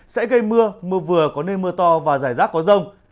sẽ gây mưa mưa vừa có nơi mưa to và rải rác có rông